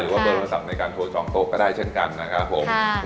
ว่าเบอร์โทรศัพท์ในการโทรจองโต๊ะก็ได้เช่นกันนะครับผม